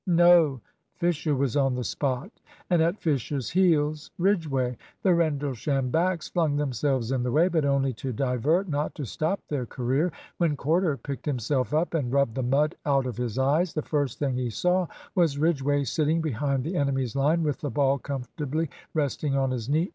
No! Fisher was on the spot, and at Fisher's heels Ridgway. The Rendlesham backs flung themselves in the way, but only to divert, not to stop their career. When Corder picked himself up and rubbed the mud out of his eyes, the first thing he saw was Ridgway sitting behind the enemy's line with the ball comfortably resting on his knee!